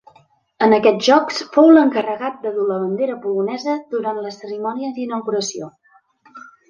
En aquests Jocs fou l'encarregat de dur la bandera polonesa durant la cerimònia d'inauguració.